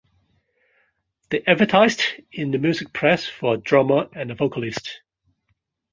They advertised in the music press for a drummer and a vocalist.